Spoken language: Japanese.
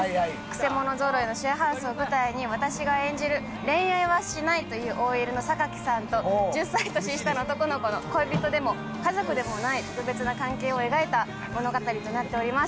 曲者ぞろいのシェアハウスを舞台に私が演じる恋愛はしないというＯＬのさんと１０歳年下の男の子の恋人でも家族でもない特別な関係を描いた物語となっております。